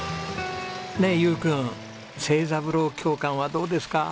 ねえ悠君成三郎教官はどうですか？